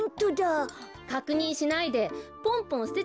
かくにんしないでポンポンすてちゃダメじゃない。